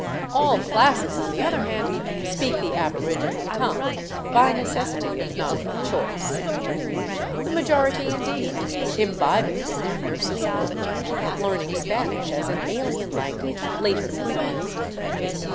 All classes, on the other hand, speak the aboriginal tongue, by necessity if not by choice. The majority, indeed, imbibe it with their nurse's milk, learning Spanish as an alien language later in life.